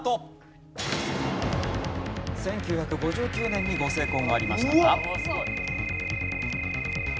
１９５９年にご成婚がありましたが。